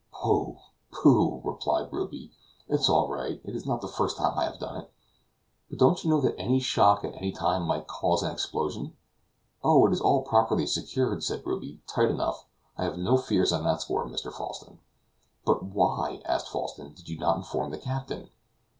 "Pooh! pooh!" replied Ruby, "it's all right; it is not the first time I have done it." "But don't you know that any shock at any time might cause an explosion?" "Oh, it's all properly secured," said Ruby, "tight enough; I have no fears on that score, Mr. Falsten." "But why," asked Falsten, "did you not inform the captain?"